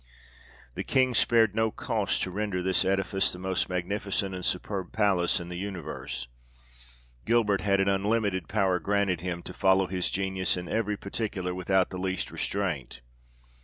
The King spared no cost to render this edifice the most magnificent and superb palace in the universe. Gilbert had an un limited power granted him to follow his genius in every particular, without the least restraint.